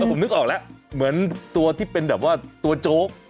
ผมนึกออกแล้วเหมือนตัวที่เป็นแบบว่าตัวโจ๊ก